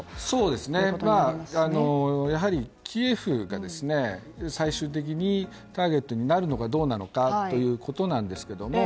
そうですね、キエフが最終的にターゲットになるのかどうなのかということなんですけど。